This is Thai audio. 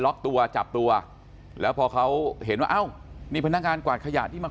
ล็อกตัวจับตัวแล้วพอเขาเห็นว่าเอ้านี่พนักงานกวาดขยะที่มา